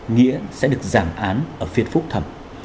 nghĩa sẽ được giảm án ở phía phúc thẩm